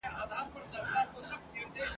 د غریب غاښ په حلوا کي خېژي ..